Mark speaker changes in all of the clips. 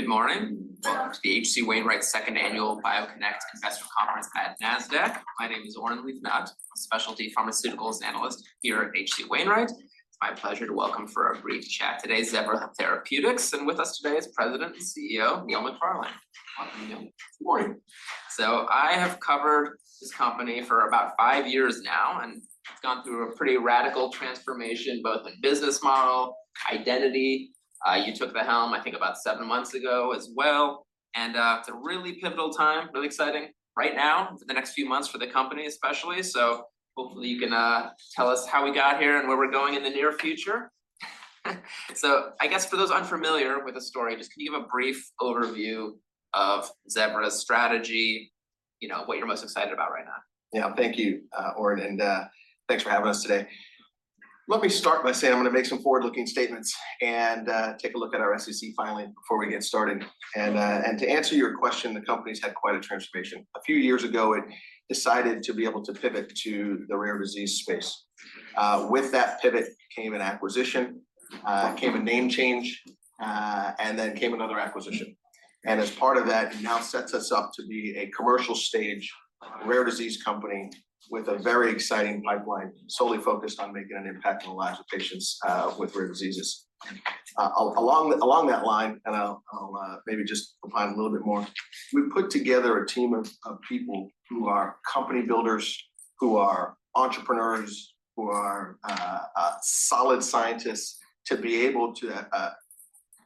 Speaker 1: Good morning. Welcome to the H.C. Wainwright's Second Annual BioConnect Investor Conference at Nasdaq. My name is Oren Livnat, Specialty Pharmaceuticals Analyst here at H.C. Wainwright. It's my pleasure to welcome for a brief chat today, Zevra Therapeutics, and with us today is President and CEO, Neil McFarlane. Welcome, Neil.
Speaker 2: Good morning.
Speaker 1: So I have covered this company for about five years now, and it's gone through a pretty radical transformation, both in business model, identity. You took the helm, I think, about seven months ago as well, and it's a really pivotal time, really exciting right now for the next few months for the company especially. So hopefully you can tell us how we got here and where we're going in the near future. So I guess for those unfamiliar with the story, just can you give a brief overview of Zevra's strategy, you know, what you're most excited about right now?
Speaker 2: Yeah. Thank you, Oren, and, thanks for having us today. Let me start by saying I'm gonna make some forward-looking statements and, take a look at our SEC filing before we get started. To answer your question, the company's had quite a transformation. A few years ago, it decided to be able to pivot to the rare disease space. With that pivot, came an acquisition, came a name change, and then came another acquisition. As part of that, it now sets us up to be a commercial stage, rare disease company with a very exciting pipeline, solely focused on making an impact in the lives of patients, with rare diseases. Along that line, and I'll maybe just elaborate a little bit more. We've put together a team of people who are company builders, who are entrepreneurs, who are solid scientists, to be able to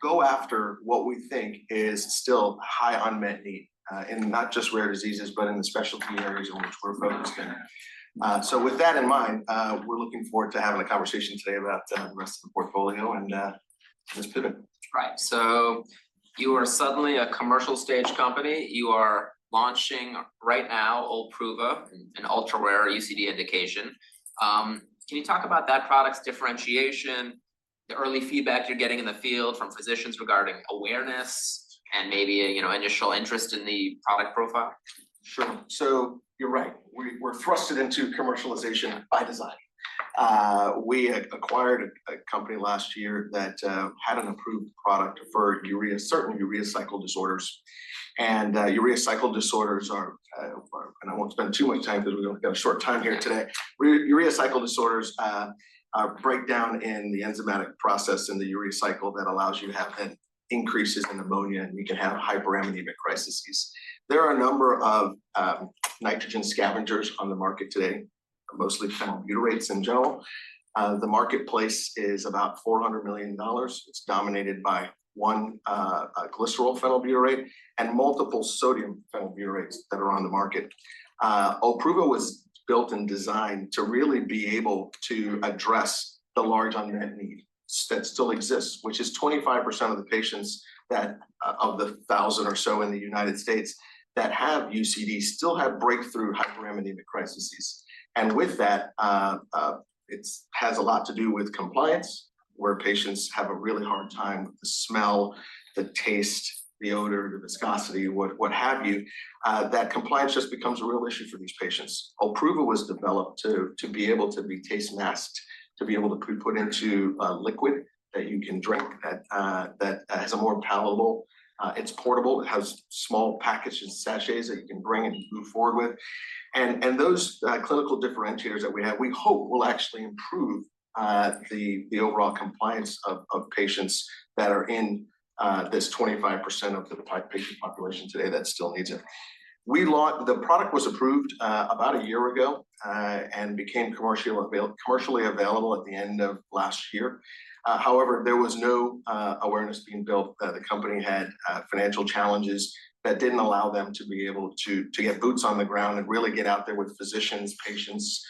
Speaker 2: go after what we think is still high unmet need in not just rare diseases, but in the specialty areas in which we're focused in. So with that in mind, we're looking forward to having a conversation today about the rest of the portfolio and this pivot.
Speaker 1: Right. So you are suddenly a commercial stage company. You are launching right now, OLPRUVA, an ultra-rare UCD indication. Can you talk about that product's differentiation, the early feedback you're getting in the field from physicians regarding awareness, and maybe, you know, initial interest in the product profile?
Speaker 2: Sure. So you're right. We were thrusted into commercialization by design. We had acquired a company last year that had an approved product for urea, certain urea cycle disorders. I won't spend too much time because we only got a short time here today. Urea cycle disorders are breakdown in the enzymatic process in the urea cycle that allows you to have increases in ammonia, and you can have hyperammonemic crisis. There are a number of nitrogen scavengers on the market today, mostly phenylbutyrates, in general. The marketplace is about $400 million. It's dominated by one glycerol phenylbutyrate and multiple sodium phenylbutyrates that are on the market. OLPRUVA was built and designed to really be able to address the large unmet need that still exists, which is 25% of the patients that of the 1,000 or so in the United States that have UCD, still have breakthrough hyperammonemic crisis. And with that, it has a lot to do with compliance, where patients have a really hard time with the smell, the taste, the odor, the viscosity, what have you. That compliance just becomes a real issue for these patients. OLPRUVA was developed to be able to be taste-masked, to be able to be put into liquid that you can drink, that that has a more palatable, it's portable, it has small packages, sachets that you can bring and move forward with. Those clinical differentiators that we have, we hope will actually improve the overall compliance of patients that are in this 25% of the patient population today that still needs it. The product was approved about a year ago and became commercially available at the end of last year. However, there was no awareness being built. The company had financial challenges that didn't allow them to be able to get boots on the ground and really get out there with physicians, patients,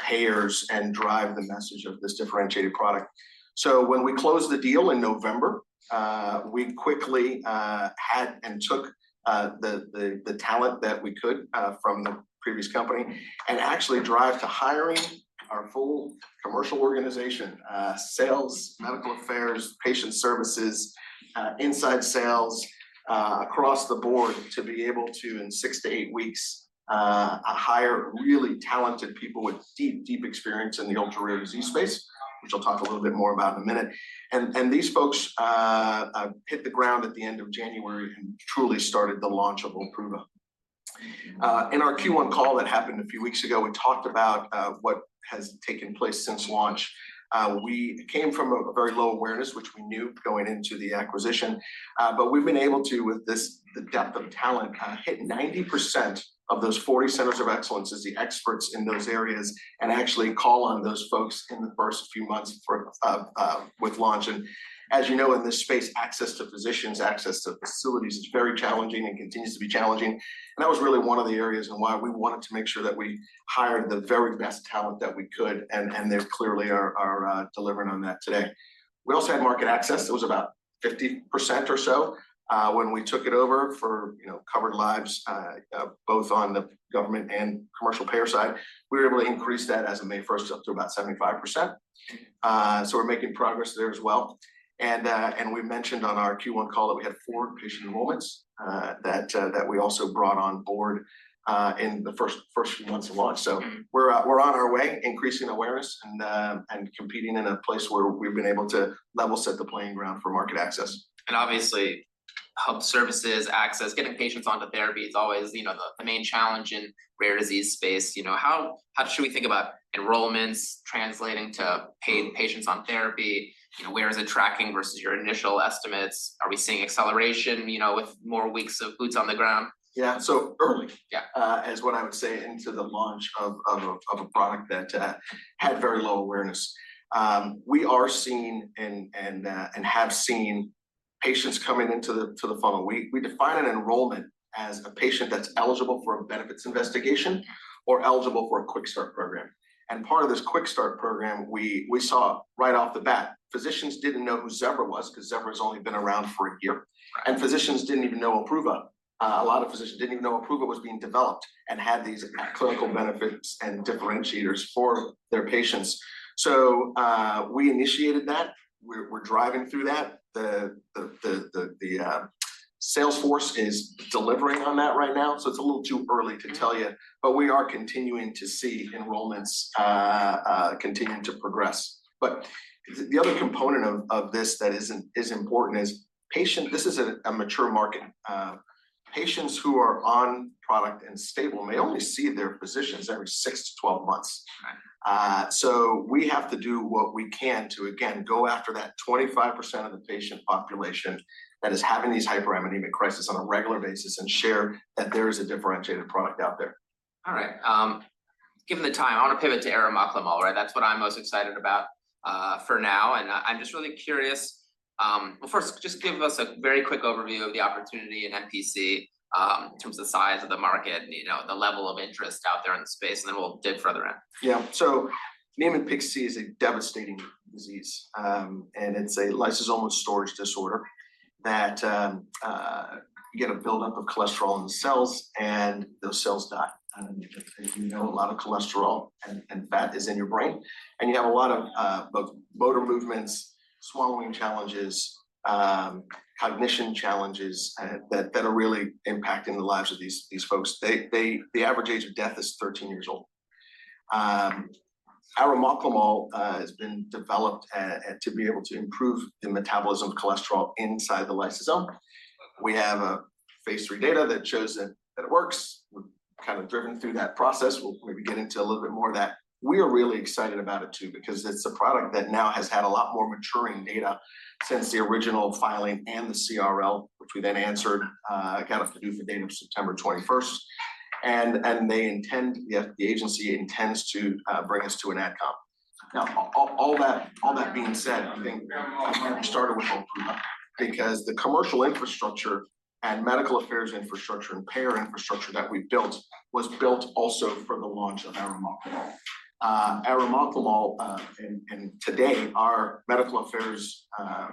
Speaker 2: payers, and drive the message of this differentiated product. So when we closed the deal in November, we quickly had and took the talent that we could from the previous company, and actually drive to hiring our full commercial organization, sales, medical affairs, patient services, inside sales, across the board, to be able to, in 6-8 weeks, hire really talented people with deep, deep experience in the ultra-rare disease space, which I'll talk a little bit more about in a minute. And these folks hit the ground at the end of January and truly started the launch of OLPRUVA. In our Q1 call that happened a few weeks ago, we talked about what has taken place since launch. We came from a very low awareness, which we knew going into the acquisition, but we've been able to, with this, the depth of talent, kind of hit 90% of those 40 centers of excellence as the experts in those areas, and actually call on those folks in the first few months of with launch. As you know, in this space, access to physicians, access to facilities is very challenging and continues to be challenging. That was really one of the areas on why we wanted to make sure that we hired the very best talent that we could, and they clearly are delivering on that today. We also had market access. It was about 50% or so when we took it over for, you know, covered lives, both on the government and commercial payer side. We were able to increase that as of May first, up to about 75%. So we're making progress there as well. And we mentioned on our Q1 call that we had four patient enrollments that we also brought on board in the first few months of launch. So we're on our way, increasing awareness and competing in a place where we've been able to level set the playing ground for market access.
Speaker 1: Hub services, access, getting patients onto therapy is always, you know, the main challenge in the rare disease space. You know, how should we think about enrollments translating to paid patients on therapy? You know, where is it tracking versus your initial estimates? Are we seeing acceleration, you know, with more weeks of boots on the ground?
Speaker 2: Yeah. So early-
Speaker 1: Yeah...
Speaker 2: is what I would say into the launch of a product that had very low awareness. We are seeing and have seen patients coming into the funnel. We define an enrollment as a patient that's eligible for a benefits investigation or eligible for a quick start program. And part of this quick start program, we saw right off the bat, physicians didn't know who Zevra was, 'cause Zevra has only been around for a year. Right. Physicians didn't even know OLPRUVA. A lot of physicians didn't even know OLPRUVA was being developed and had these clinical benefits and differentiators for their patients. So, we initiated that. We're driving through that. The sales force is delivering on that right now, so it's a little too early to tell you, but we are continuing to see enrollments continuing to progress. But the other component of this that is important is patient... This is a mature market. Patients who are on product and stable may only see their physicians every 6-12 months.
Speaker 1: Right.
Speaker 2: We have to do what we can to again, go after that 25% of the patient population that is having these hyperammonemic crisis on a regular basis and share that there is a differentiated product out there.
Speaker 1: All right. Given the time, I want to pivot to arimoclomol, right? That's what I'm most excited about, for now, and I'm just really curious. But first, just give us a very quick overview of the opportunity in NPC, in terms of the size of the market, and, you know, the level of interest out there in the space, and then we'll dig further in.
Speaker 2: Yeah. So Niemann-Pick C is a devastating disease, and it's a lysosomal storage disorder that you get a buildup of cholesterol in the cells, and those cells die. And, as you know, a lot of cholesterol and fat is in your brain, and you have a lot of motor movements, swallowing challenges, cognition challenges that are really impacting the lives of these folks. The average age of death is 13 years old. Arimoclomol has been developed and to be able to improve the metabolism of cholesterol inside the lysosome. We have phase III data that shows that it works. We've kind of driven through that process. We'll maybe get into a little bit more of that. We are really excited about it, too, because it's a product that now has had a lot more maturing data since the original filing and the CRL, which we then answered, kind of the due date of September twenty-first. And they intend, the agency intends to bring us to an AdCom. Now, all that being said, I think we started with OLPRUVA because the commercial infrastructure and medical affairs infrastructure and payer infrastructure that we built was built also for the launch of arimoclomol. Arimoclomol, and today, our medical affairs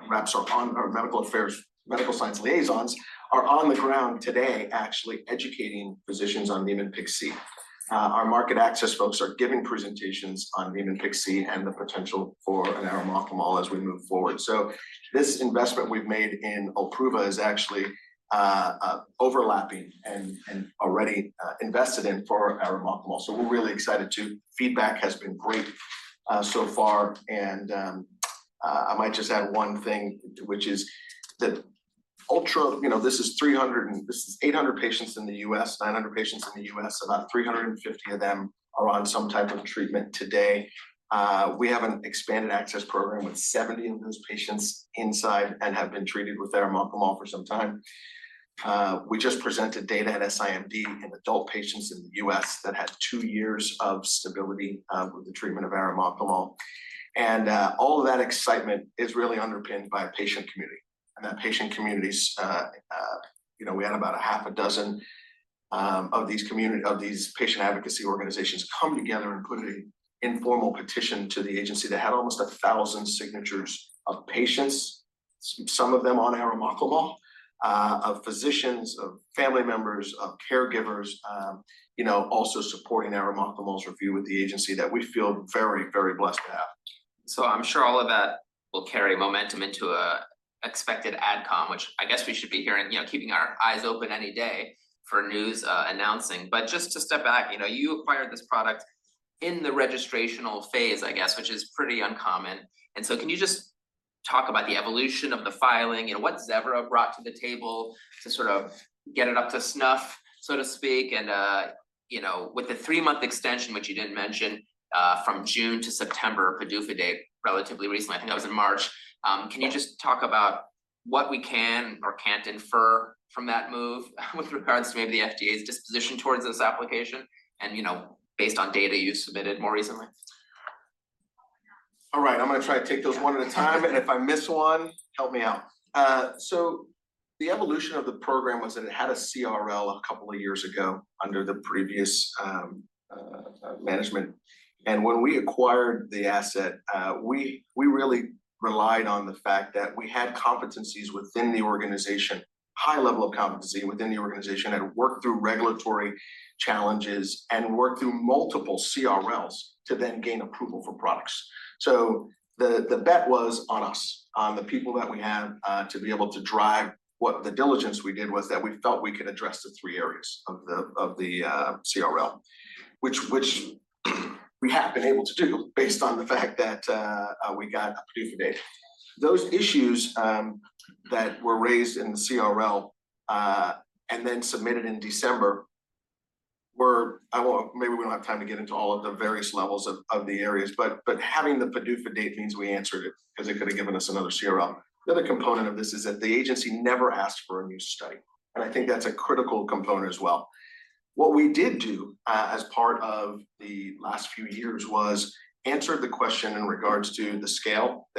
Speaker 2: reps are on... Our medical affairs medical science liaisons are on the ground today actually educating physicians on Niemann-Pick C. Our market access folks are giving presentations on Niemann-Pick C and the potential for an arimoclomol as we move forward. So this investment we've made in OLPRUVA is actually, overlapping and already invested in for arimoclomol. So we're really excited, too. Feedback has been great, so far, and I might just add one thing, which is that OLPRUVA, you know, this is 300 and this is 800 patients in the U.S., 900 patients in the U.S. About 350 of them are on some type of treatment today. We have an expanded access program with 70 of those patients inside and have been treated with arimoclomol for some time. We just presented data at SIMD in adult patients in the U.S. that had 2 years of stability with the treatment of arimoclomol. And all of that excitement is really underpinned by a patient community. And that patient community's... You know, we had about 6 of these patient advocacy organizations come together and put an informal petition to the agency that had almost 1,000 signatures of patients, some of them on arimoclomol, of physicians, of family members, of caregivers, you know, also supporting arimoclomol's review with the agency that we feel very, very blessed to have.
Speaker 1: So I'm sure all of that will carry momentum into an expected AdCom, which I guess we should be hearing, you know, keeping our eyes open any day for news, announcing. But just to step back, you know, you acquired this product in the registrational phase, I guess, which is pretty uncommon. And so can you just talk about the evolution of the filing and what Zevra brought to the table to sort of get it up to snuff, so to speak? And, you know, with the three-month extension, which you didn't mention, from June to September, PDUFA date, relatively recently, I think that was in March.
Speaker 2: Yeah.
Speaker 1: Can you just talk about what we can or can't infer from that move with regards to maybe the FDA's disposition towards this application, and, you know, based on data you submitted more recently?
Speaker 2: All right, I'm gonna try to take those one at a time, and if I miss one, help me out. So the evolution of the program was that it had a CRL a couple of years ago under the previous management. And when we acquired the asset, we really relied on the fact that we had competencies within the organization, high level of competency within the organization, had worked through regulatory challenges and worked through multiple CRLs to then gain approval for products. So the bet was on us, on the people that we have, to be able to drive. What the diligence we did was that we felt we could address the three areas of the CRL, which we have been able to do based on the fact that we got a PDUFA date. Those issues that were raised in the CRL and then submitted in December. I won't, maybe we don't have time to get into all of the various levels of the areas, but having the PDUFA date means we answered it, 'cause it could have given us another CRL. The other component of this is that the agency never asked for a new study, and I think that's a critical component as well. What we did do as part of the last few years was answer the question in regards to the scale.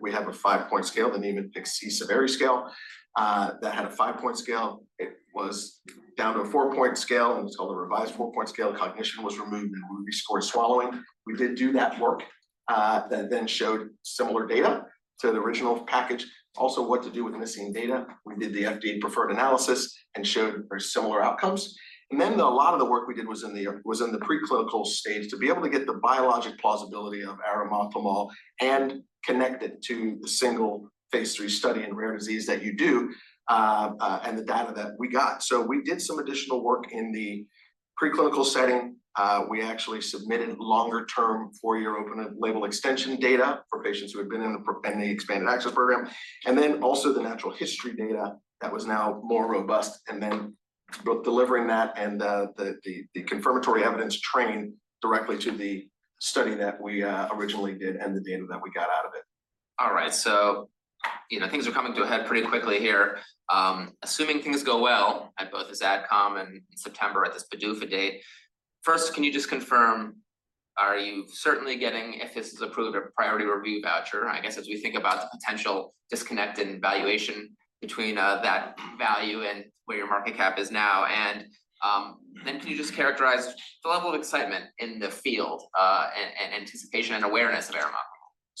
Speaker 2: We have a five-point scale, the Niemann-Pick C severity scale. That had a five-point scale. It was down to a four-point scale, and so the revised four-point scale, cognition was removed, and we rescored swallowing. We did do that work that then showed similar data to the original package. Also, what to do with missing data. We did the FDA preferred analysis and showed very similar outcomes. And then a lot of the work we did was in the preclinical stage, to be able to get the biologic plausibility of arimoclomol and connect it to the single phase III study in rare disease that you do and the data that we got. So we did some additional work in the preclinical setting. We actually submitted longer-term, 4-year open-label extension data for patients who had been in the program, and then also the natural history data that was now more robust, and then both delivering that and the confirmatory evidence train directly to the study that we originally did and the data that we got out of it.
Speaker 1: All right, so, you know, things are coming to a head pretty quickly here. Assuming things go well at both the AdCom and in September at this PDUFA date, first, can you just confirm, are you certainly getting, if this is approved, a priority review voucher? I guess, as we think about the potential disconnect in valuation between, that value and where your market cap is now. And, then can you just characterize the level of excitement in the field, and anticipation and awareness of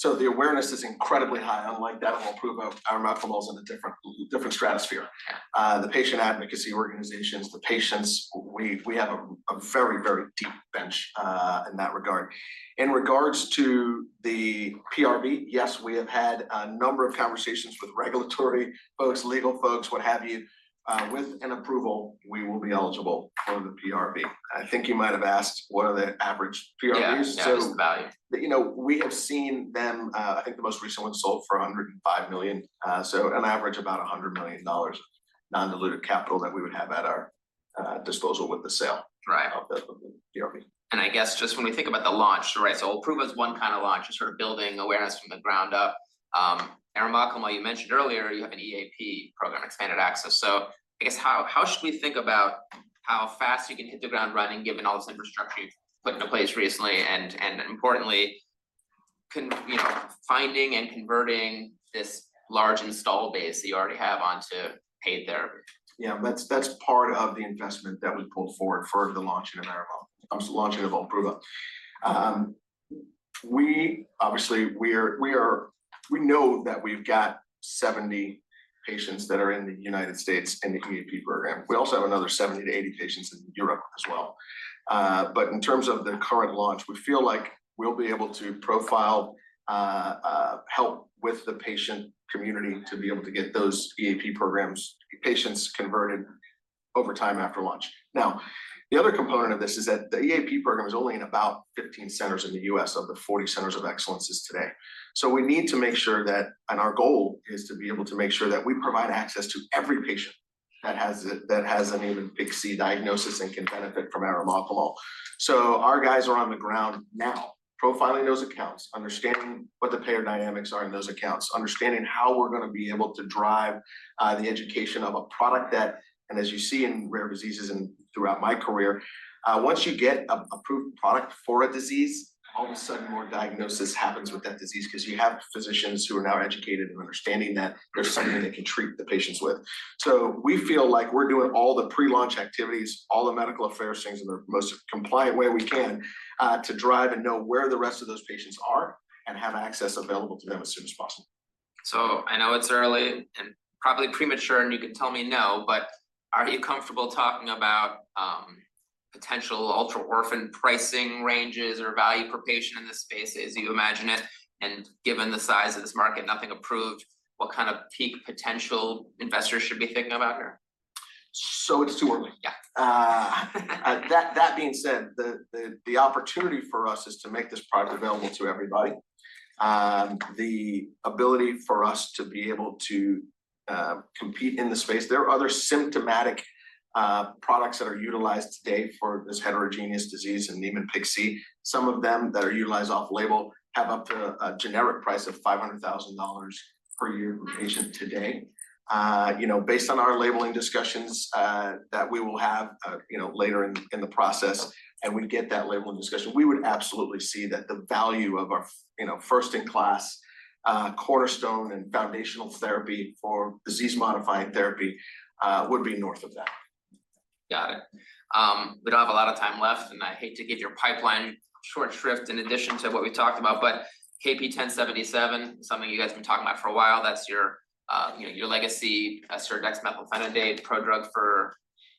Speaker 1: arimoclomol?
Speaker 2: So the awareness is incredibly high. Unlike that, OLPRUVA, arimoclomol is in a different, different stratosphere.
Speaker 1: Yeah.
Speaker 2: The patient advocacy organizations, the patients, we, we have a, a very, very deep bench, in that regard. In regards to the PRV, yes, we have had a number of conversations with regulatory folks, legal folks, what have you. With an approval, we will be eligible for the PRV. I think you might have asked, what are the average PRVs?
Speaker 1: Yeah, yeah, just the value.
Speaker 2: You know, we have seen them. I think the most recent one sold for $105 million. So an average about $100 million non-dilutived capital that we would have at our disposal with the sale-
Speaker 1: Right
Speaker 2: -of the PRV.
Speaker 1: I guess just when we think about the launch, right, so OLPRUVA is one kind of launch, just sort of building awareness from the ground up. Arimoclomol, you mentioned earlier, you have an EAP program, expanded access. So I guess how, how should we think about how fast you can hit the ground running, given all this infrastructure you've put into place recently, and, and importantly, can, you know, finding and converting this large installed base that you already have onto paid therapy?
Speaker 2: Yeah, that's, that's part of the investment that we pulled forward for the launch into arimoclomol, launch into OLPRUVA. We obviously, we know that we've got 70 patients that are in the United States in the EAP program. We also have another 70-80 patients in Europe as well. But in terms of the current launch, we feel like we'll be able to profile, help with the patient community to be able to get those EAP programs, patients converted over time after launch. Now, the other component of this is that the EAP program is only in about 15 centers in the US of the 40 centers of excellence today. So we need to make sure that... Our goal is to be able to make sure that we provide access to every patient that has a Niemann-Pick C diagnosis and can benefit from arimoclomol. So our guys are on the ground now, profiling those accounts, understanding what the payer dynamics are in those accounts, understanding how we're gonna be able to drive the education of a product that, and as you see in rare diseases and throughout my career, once you get a approved product for a disease, all of a sudden, more diagnosis happens with that disease 'cause you have physicians who are now educated and understanding that there's something they can treat the patients with. We feel like we're doing all the pre-launch activities, all the medical affairs things in the most compliant way we can, to drive and know where the rest of those patients are and have access available to them as soon as possible.
Speaker 1: So I know it's early and probably premature, and you can tell me no, but are you comfortable talking about, potential ultra-orphan pricing ranges or value per patient in this space as you imagine it? And given the size of this market, nothing approved, what kind of peak potential investors should be thinking about here?
Speaker 2: It's too early.
Speaker 1: Yeah.
Speaker 2: That being said, the opportunity for us is to make this product available to everybody. The ability for us to be able to compete in the space. There are other symptomatic products that are utilized today for this heterogeneous disease in Niemann-Pick C. Some of them that are utilized off-label have up to a generic price of $500,000 per year patient today. You know, based on our labeling discussions that we will have, you know, later in the process and we get that labeling discussion, we would absolutely see that the value of our, you know, first-in-class cornerstone and foundational therapy for disease-modifying therapy would be north of that.
Speaker 1: Got it. We don't have a lot of time left, and I hate to give your pipeline short shrift in addition to what we've talked about, but KP1077, something you guys have been talking about for a while, that's your, you know, your legacy, serdexmethylphenidate prodrug for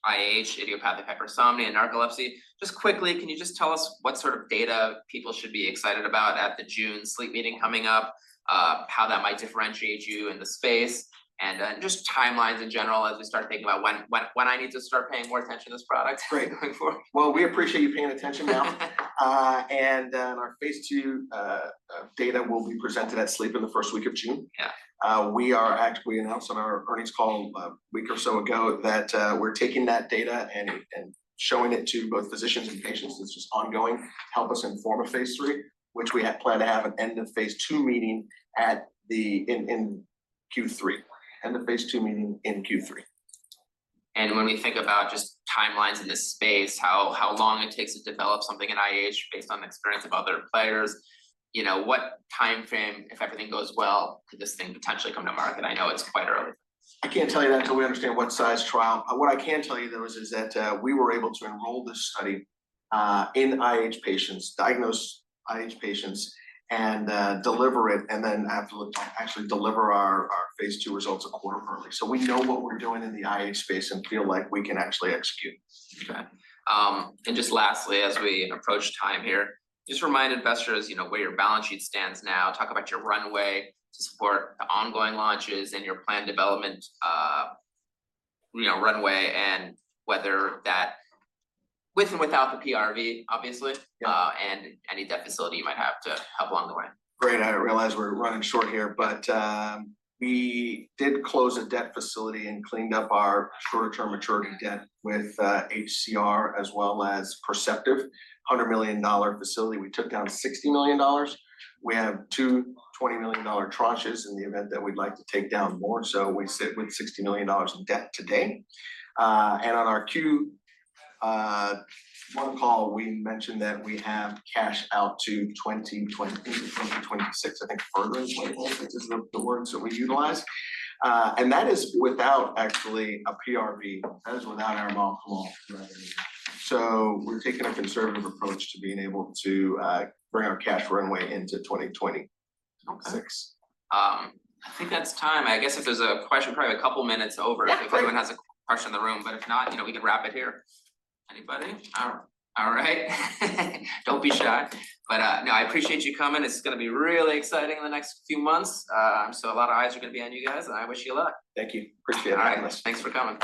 Speaker 1: IH, idiopathic hypersomnia and narcolepsy. Just quickly, can you just tell us what sort of data people should be excited about at the June sleep meeting coming up, how that might differentiate you in the space, and just timelines in general as we start thinking about when I need to start paying more attention to this product?...
Speaker 2: Great.
Speaker 1: -going forward?
Speaker 2: Well, we appreciate you paying attention now. Our phase II study data will be presented at Sleep in the first week of June.
Speaker 1: Yeah.
Speaker 2: We are actually announced on our earnings call a week or so ago that, we're taking that data and showing it to both physicians and patients. It's just ongoing, help us inform a phase three, which we had planned to have an end of phase two meeting at the, in Q3, and the phase two meeting in Q3.
Speaker 1: When we think about just timelines in this space, how long it takes to develop something in IH based on the experience of other players, you know, what timeframe, if everything goes well, could this thing potentially come to market? I know it's quite early.
Speaker 2: I can't tell you that until we understand what size trial. What I can tell you, though, is, is that, we were able to enroll this study, in IH patients, diagnose IH patients, and, deliver it, and then absolutely actually deliver our, our phase two results a quarter early. So we know what we're doing in the IH space and feel like we can actually execute.
Speaker 1: Okay. Just lastly, as we approach time here, just remind investors, you know, where your balance sheet stands now. Talk about your runway to support the ongoing launches and your planned development, you know, runway, and whether that with and without the PRV, obviously-
Speaker 2: Yeah...
Speaker 1: and any debt facility you might have to help along the way.
Speaker 2: Great. I realize we're running short here, but we did close a debt facility and cleaned up our shorter term maturity debt with HCR as well as Perceptive, $100 million facility. We took down $60 million. We have two $20 million tranches in the event that we'd like to take down more. So we sit with $60 million in debt today. And on our Q1 call, we mentioned that we have cash out to 2025, 2026, I think, further in 2026 is the words that we utilized. And that is without actually a PRV. That is without our molecule. So we're taking a conservative approach to being able to bring our cash runway into 2025-
Speaker 1: Okay
Speaker 2: -six.
Speaker 1: I think that's time. I guess if there's a question, probably a couple of minutes over-Yeah. If anyone has a question in the room, but if not, you know, we can wrap it here. Anybody? All right. Don't be shy, but no, I appreciate you coming. This is gonna be really exciting in the next few months. So a lot of eyes are gonna be on you guys, and I wish you luck.
Speaker 2: Thank you. Appreciate it.
Speaker 1: All right. Thanks for coming.